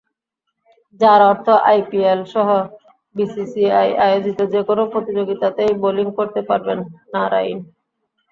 যার অর্থ আইপিএলসহ বিসিসিআই আয়োজিত যেকোনো প্রতিযোগিতাতেই বোলিং করতে পারবেন নারাইন।